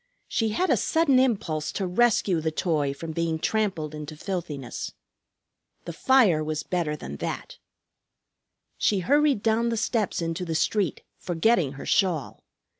She had a sudden impulse to rescue the toy from being trampled into filthiness. The fire was better than that. She hurried down the steps into the street, forgetting her shawl.